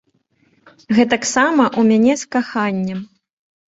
Гэтаксама ў мяне з каханнем.